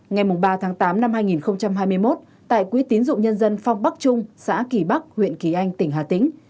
ngày ba tháng tám năm hai nghìn hai mươi một tại quỹ tín dụng nhân dân phong bắc trung xã kỳ bắc huyện kỳ anh tỉnh hà tĩnh